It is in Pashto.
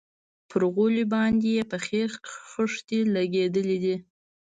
پر غولي باندې يې پخې خښتې لگېدلي دي.